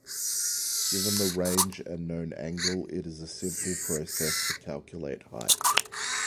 Given the range and known angle it is a simple process to calculate height.